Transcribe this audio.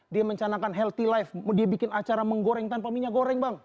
dia mencanakan healthy life dia bikin acara menggoreng tanpa minyak goreng bang